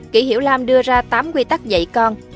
kỷ hiểu lam đưa ra tám quy tắc dạy con